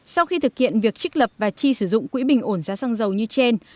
sau khi thực hiện việc trích lập và chi sử dụng quỹ bình ổn giá xăng dầu như trên